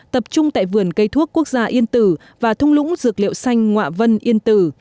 tập trung tại vườn cây thuốc quốc gia yên tử và thung lũng dược liệu xanh ngạ vân yên tử